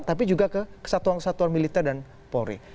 tapi juga ke kesatuan kesatuan militer dan polri